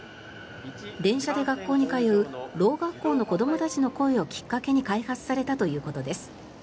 電車で学校に通うろう学校の子どもたちの声をきっかけに開発されたということです。